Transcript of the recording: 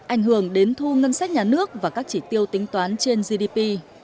ảnh hưởng đến thu ngân sách nhà nước và các chỉ tiêu tính toán trên gdp